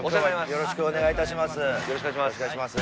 よろしくお願いします。